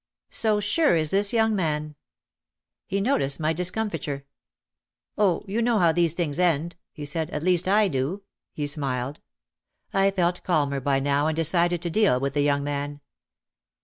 "So sure is this young man." He noticed my discomfiture. "Oh, you know how these things end," he said. "At least I do," he smiled. I felt calmer by now and decided to deal with the young man.